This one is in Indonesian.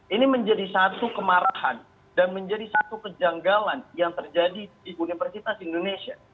ini menjadi satu kemarahan dan menjadi satu kejanggalan yang terjadi di universitas indonesia